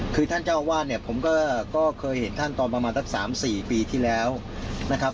คือท่านเจ้าอาวาสเนี่ยผมก็เคยเห็นท่านตอนประมาณสัก๓๔ปีที่แล้วนะครับ